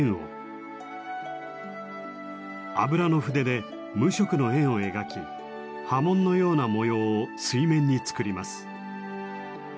油の筆で無色の円を描き波紋のような模様を水面に作ります。